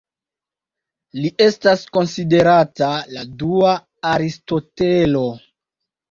Li estas konsiderata la dua Aristotelo.